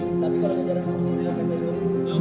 tapi kalau ngajar pkp dulu